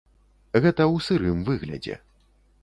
Гэта ў сырым выглядзе.